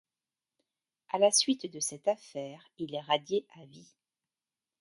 À la suite de cette affaire, il est radié à vie.